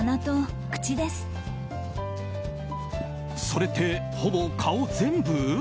それって、ほぼ顔全部？